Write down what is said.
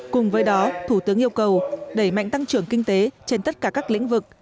cùng với đó thủ tướng yêu cầu đẩy mạnh tăng trưởng kinh tế trên tất cả các lĩnh vực